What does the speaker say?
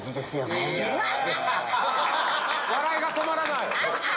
笑いが止まらない！